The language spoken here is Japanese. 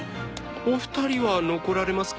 お二人は残られますか？